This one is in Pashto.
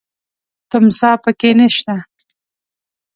تمساح پکې نه شته .